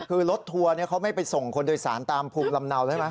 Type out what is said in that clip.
คือรถทัวร์เขาไม่ไปส่งคนโดยสารตามภูมิลำเนาใช่ไหม